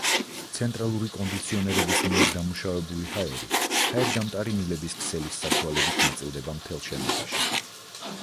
ცენტრალური კონდიციონერების მიერ დამუშავებული ჰაერი ჰაერგამტარი მილების ქსელის საშუალებით ნაწილდება მთელ შენობაში.